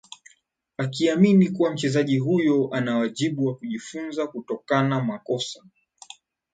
akiamini kuwa mchezaji huyo ana wajibu wa kujifunza kutokana makosa